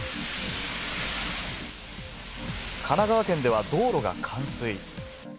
神奈川県では道路が冠水。